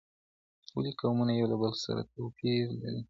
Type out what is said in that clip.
ولې قومونه یو له بل سره توپیر لري؟